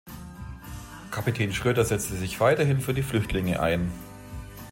Kapitän Schröder setzte sich weiterhin für die Flüchtlinge ein.